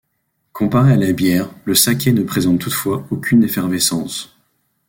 Comparé à la bière, le saké ne présente toutefois aucune effervescence.